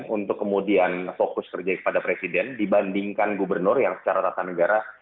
untuk kemudian fokus kerja kepada presiden dibandingkan gubernur yang secara tata negara